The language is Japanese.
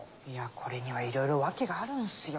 これにはいろいろ訳があるんすよ。